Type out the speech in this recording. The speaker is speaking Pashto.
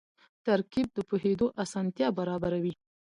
ترکیب د پوهېدو اسانتیا برابروي.